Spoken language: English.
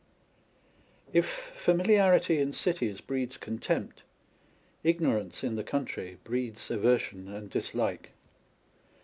If familiarity in cities breeds contempt, ignorance in the country breeds aversion and dislike.